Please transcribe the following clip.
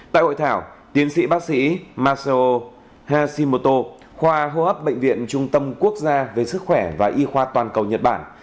tại hội thảo tiến sĩ bác sĩ masao hashimoto khoa hô hấp bệnh viện trung tâm quốc gia về sức khỏe và y khoa toàn cầu nhật bản